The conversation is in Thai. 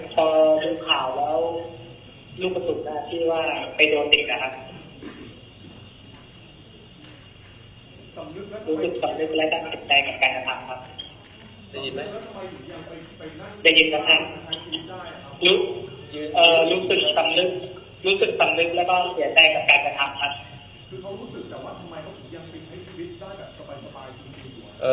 คือเขารู้สึกแต่ว่าทำไมเขายังไม่ให้ชีวิตได้กับสบายสบายที่ดี